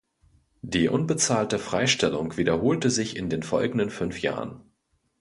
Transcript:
Die unbezahlte Freistellung wiederholte sich in den folgenden fünf Jahren.